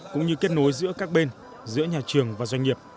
cũng như kết nối giữa các bên giữa nhà trường và doanh nghiệp